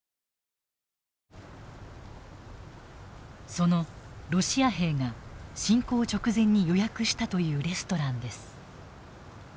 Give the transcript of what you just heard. そのロシア兵が侵攻直前に予約したというレストランです。